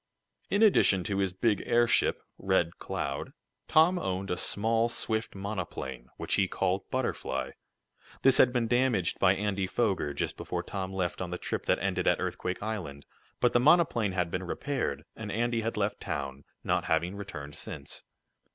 In addition to his big airship, Red Cloud, Tom owned a small, swift monoplane, which he called Butterfly. This had been damaged by Andy Foger just before Tom left on the trip that ended at Earthquake Island, but the monoplane had been repaired, and Andy had left town, not having returned since.